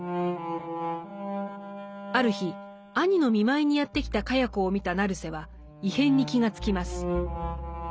ある日兄の見舞いにやって来た茅子を見た成瀬は異変に気が付きます。